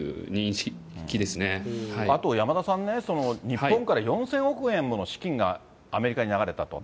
あと、山田さんね、日本から４０００億円もの資金がアメリカに流れたと。